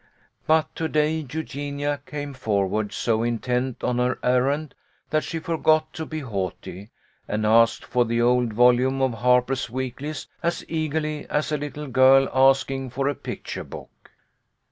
But to day Eugenia came forward so intent on her errand that she forgot to be haughty, and asked for the old volume of Harper s Weeklies as eagerly as a little girl asking for a picture book.